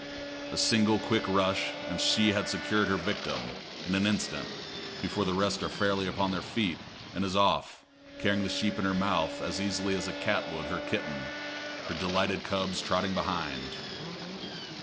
A single quick rush and she has secured her victim, in an instant, before the rest are fairly upon their feet, and is off, carrying the sheep in her mouth as easily as a cat would her kitten, her delighted cubs trotting behind.